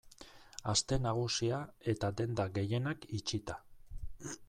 Aste Nagusia eta denda gehienak itxita.